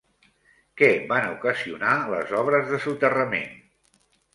Què van ocasionar les obres de soterrament?